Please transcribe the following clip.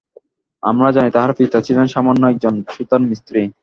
আমরা জানি, তাঁহার পিতা ছিলেন সামান্য একজন ছুতার মিস্ত্রী।